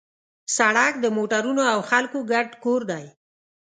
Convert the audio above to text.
سړک د موټرونو او خلکو ګډ کور دی.